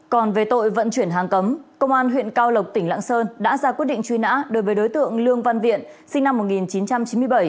còn về tội vận chuyển hàng cấm công an huyện cao lộc tỉnh lạng sơn đã ra quyết định truy nã đối với đối tượng lương văn viện sinh năm một nghìn chín trăm chín mươi bảy